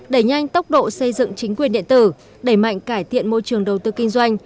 đẩy nhanh tốc độ xây dựng chính quyền điện tử đẩy mạnh cải thiện môi trường đầu tư kinh doanh